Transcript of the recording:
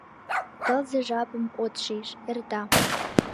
Тылзе жапым от шиж, эрта.